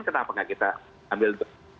kenapa tidak kita ambil